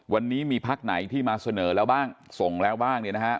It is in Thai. วันนี้มีพักไหนที่มาเสนอแล้วบ้างส่งแล้วบ้างเนี่ยนะฮะ